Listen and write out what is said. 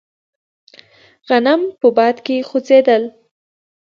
غنم په باد کې خوځېدل.